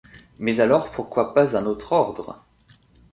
Mais alors pourquoi pas un autre ordre ?